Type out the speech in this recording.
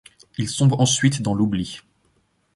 Il sombre ensuite dans l'oubli.